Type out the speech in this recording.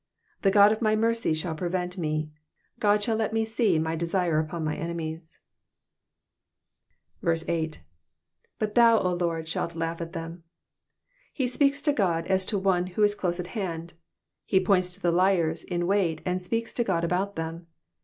10 The God of my mercy shall prevent me : God shall let me see my desire upon mine enemies. 8. *^*'But thau^ 0 Lardy shalt lavgh at them.''^ He speaks to God as to one who is close at hand. He points to the Hers in wait and speaks to God about them.